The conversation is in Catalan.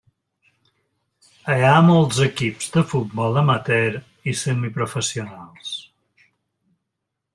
Hi ha molts equips de futbol amateur i semiprofessionals.